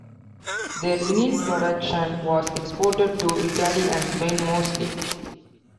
Their linen production was exported to Italy and Spain mostly.